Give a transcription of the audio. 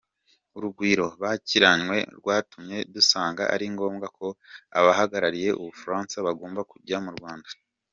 Urugwiro bakiranywe rwatumye dusanga ari ngombwa ko abahagarariye u Bufaransa bagomba kujya mu Rwanda.